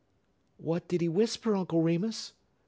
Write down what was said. "What did he whisper, Uncle Remus?"